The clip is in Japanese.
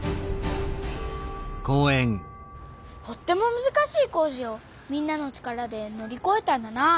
とってもむずかしい工事をみんなの力でのりこえたんだなあ。